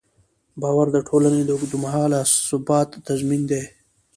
باور د ټولنې د اوږدمهاله ثبات تضمین دی.